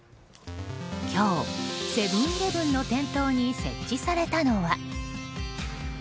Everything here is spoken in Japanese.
今日、セブン‐イレブンの店頭に設置されたのは。